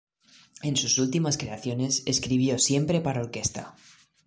En sus últimas creaciones, escribió siempre para orquesta.